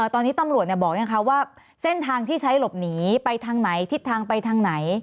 ตอนนี้ตำรวจบอกยังคะว่าเส้นทางที่ใช้หลบหนีไปทางไหนทิศทางไปทางไหน